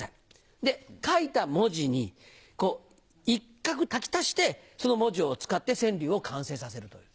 で書いた文字に一画書き足してその文字を使って川柳を完成させるという。